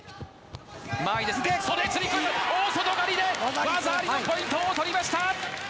袖釣り込みから大外刈りで技ありのポイントを取りました！